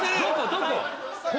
どこ？